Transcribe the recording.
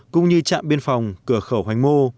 cũng như trạm biên phòng cửa khẩu hoành mô